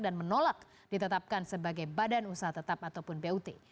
dan menolak ditetapkan sebagai badan usaha tetap atau but